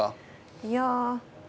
いや。